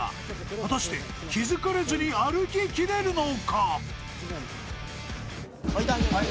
［果たして気付かれずに歩き切れるのか？］